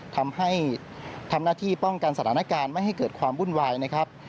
ทำให้ทำหน้าที่ป้องกันสถานการณ์ไม่ให้เกิดความวุ่นวายนะครับ